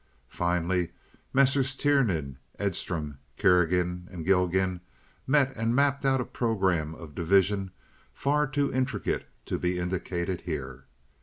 Finally Messrs. Tiernan, Edstrom, Kerrigan, and Gilgan met and mapped out a programme of division far too intricate to be indicated here.